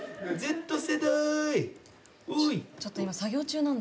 ちょっと今作業中なんで。